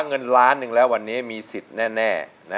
เงินล้านหนึ่งแล้ววันนี้มีสิทธิ์แน่